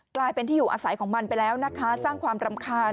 กลายเป็นที่อยู่อาศัยของมันไปแล้วนะคะสร้างความรำคาญ